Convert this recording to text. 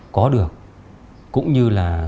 có được cũng như là